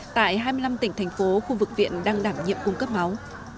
tại hai mươi năm tỉnh thành phố khu vực viện đang đảm nhiệm cung cấp máu